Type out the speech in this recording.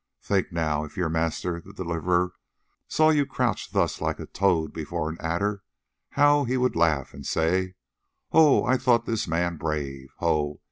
Think now, if your master, the Deliverer, saw you crouch thus like a toad before an adder, how he would laugh and say, 'Ho! I thought this man brave. Ho!